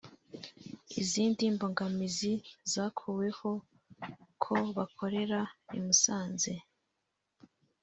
Izindi mbogamizi zakuweho ku bakorera i Musanze